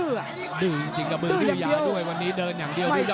ดื้อจริงจริงกระมือดื้อยาด้วยวันนี้เดินอย่างเดียว